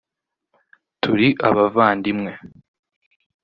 turi abavandimwe